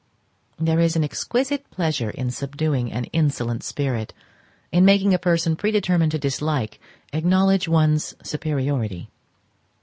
There is exquisite pleasure in subduing an insolent spirit, in making a person predetermined to dislike acknowledge one's superiority.